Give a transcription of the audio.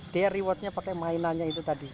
dia rewardnya pakai mainannya itu tadi